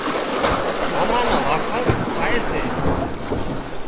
ماما نان وکاڻ ٿائي سي